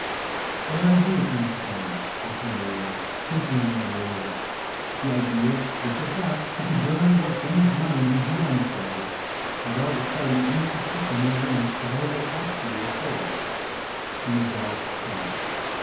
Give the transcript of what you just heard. But an idea came to Tom, as he lay there, thinking the matter over; the idea that perhaps he could learn what Bennie's mind would be on the subject, without exciting any suspicion therein of what had actually occurred. He resolved to try.